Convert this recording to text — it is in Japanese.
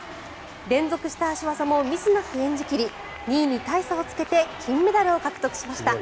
連続した脚技もミスなく演じ切り２位に大差をつけて金メダルを獲得しました。